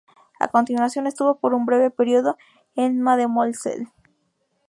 A continuación estuvo por un breve período en "Mademoiselle".